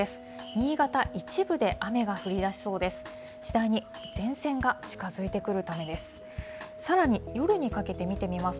新潟、一部で雨が降りだしそうです。